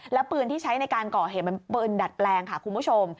แล้วปืนที่ใช้ในการก่อเหตุมันปืนดัดแปลงค่ะคุณผู้ชม